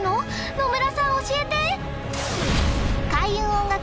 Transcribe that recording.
野村さん教えて！